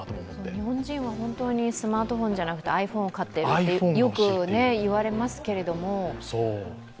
日本人は本当にスマートフォンじゃなくてｉＰｈｏｎｅを買っているとよく言われますけれども。